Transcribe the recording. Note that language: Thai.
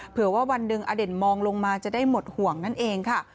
เผื่อว่าวันหนึ่งอเด่นมองลงมาจะได้หมดห่วงนั่นเองค่ะ